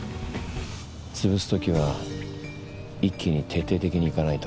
潰すときは一気に徹底的にいかないと。